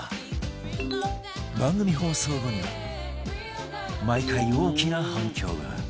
番組放送後には毎回大きな反響が